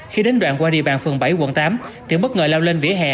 khi đến đoạn qua địa bàn phường bảy quận tám thì bất ngờ lao lên vỉa hè